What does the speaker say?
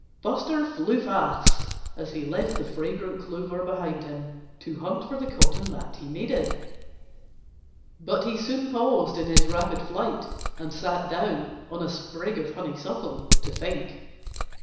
Buster flew fast, as he left the fragrant clover behind him, to hunt for the cotton that he needed. But he soon paused in his rapid flight and sat down on a sprig of honeysuckle, to think.